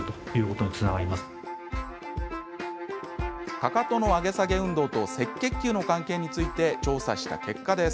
かかとの上げ下げ運動と赤血球の関係について調査した結果です。